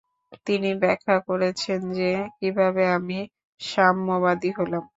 তিনি ব্যাখ্যা করেছেন যে, "কিভাবে আমি সাম্যবাদী হলাম"।